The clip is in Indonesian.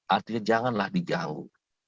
artinya janganlah dijanggu